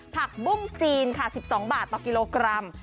ผักบุ้งจีนค่ะ๑๒บาทต่อกิโลกรัม